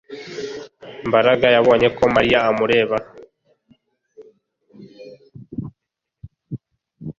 Mbaraga yabonye ko Mariya amureba